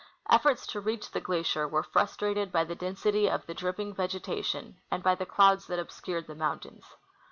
Efforts to reach the glacier were frustrated by the density of the dripping vegeta tion and by the clouds that obscured the mountains.